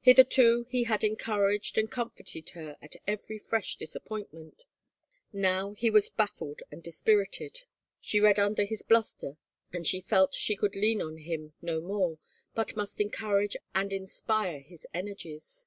Hitherto he had en couraged and comforted her at every fresh disappoint ment. Now he was baffled and dispirited, she read 22^ THE FAVOR OF KINGS under his bluster and she felt she could lean on him no more but must encourage and inspire his energies.